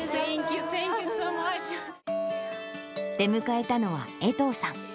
出迎えたのは衛藤さん。